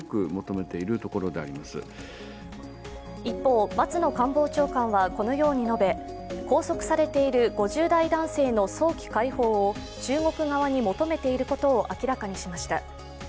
一方、松野官房長官はこのように述べ、拘束されている５０代男性の早期解放を中国側に求めていることを明らかにしました。